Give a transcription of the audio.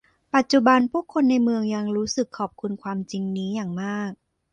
ปัจจุบัน ผู้คนในเมืองยังรู้สึกขอบคุณความจริงนี้อย่างมาก